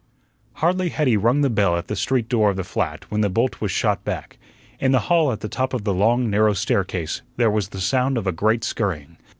Hardly had he rung the bell at the street door of the flat when the bolt was shot back. In the hall at the top of the long, narrow staircase there was the sound of a great scurrying.